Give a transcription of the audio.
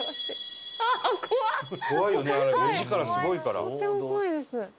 とっても怖いです。